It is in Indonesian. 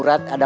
ini yang jadi